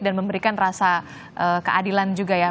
dan memberikan rasa keadilan juga ya